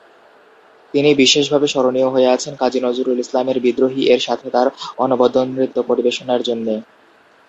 তিনি বিশেষভাবে স্মরণীয় হয়ে আছেন কাজী নজরুল ইসলামের "বিদ্রোহী"এর সাথে তার অনবদ্য নৃত্য পরিবেশনার জন্যে।